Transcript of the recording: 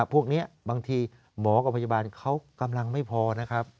พวกนี้บางทีหมอกับพยาบาลเขากำลังไม่พอนะครับ